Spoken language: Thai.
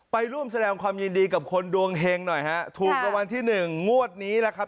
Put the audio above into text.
ไปร่วมแสดงความยินดีกับคนดวงเฮงหน่อยฮะถูกรางวัลที่หนึ่งงวดนี้แหละครับ